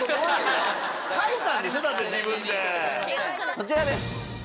こちらです！